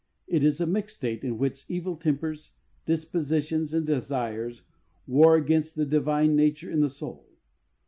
It is a mixed state in which evil tempers, dispositions and desires war against the divine nature in the soul.